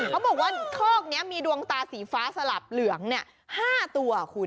เขาบอกว่าโคกนี้มีดวงตาสีฟ้าสลับเหลือง๕ตัวคุณ